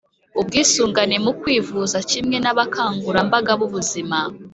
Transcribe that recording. ubwisungane mu kwivuza kimwe n'abakangurambaga b'ubuzima;